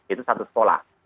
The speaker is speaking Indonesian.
itu satu sekolah